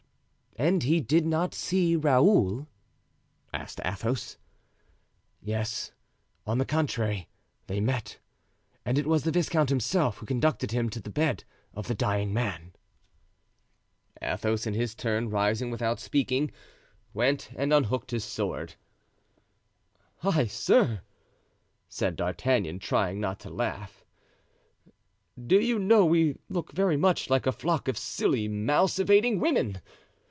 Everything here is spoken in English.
"And he did not see Raoul?" asked Athos. "Yes, on the contrary, they met, and it was the viscount himself who conducted him to the bed of the dying man." Athos, in his turn, rising without speaking, went and unhooked his sword. "Heigh, sir," said D'Artagnan, trying to laugh, "do you know we look very much like a flock of silly, mouse evading women!